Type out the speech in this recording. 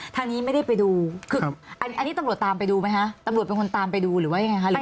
ทางนี้ไม่ได้ไปดูคืออันนี้ตำรวจตามไปดูไหมคะตำรวจเป็นคนตามไปดูหรือว่ายังไงคะ